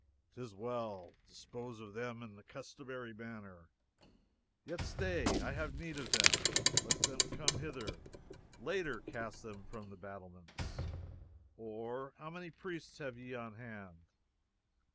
"'Tis well. Dispose of them in the customary manner. Yet stay! I have need of them. Let them come hither. Later, cast them from the battlements or how many priests have ye on hand?"